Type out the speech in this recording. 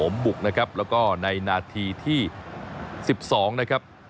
ผมบุกนะครับแล้วก็ในนาทีที่๑๒นะครับ